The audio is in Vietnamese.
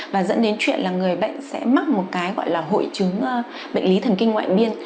và dẫn đến chuyện là người bệnh sẽ mắc một cái gọi là hội chứng bệnh lý thần kinh ngoại biên